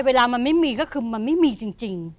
เวลามันไม่มีก็คือมันไม่มีจริง